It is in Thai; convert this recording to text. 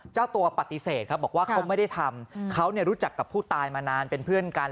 เจ้าตัวปฏิเสธครับบอกว่าเขาไม่ได้ทำเขารู้จักกับผู้ตายมานานเป็นเพื่อนกัน